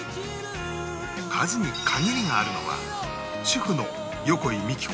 数に限りがあるのは主婦の横井幹子さん